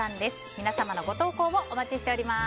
皆さまのご投稿をお待ちしています。